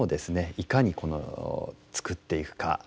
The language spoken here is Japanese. いかに作っていくか。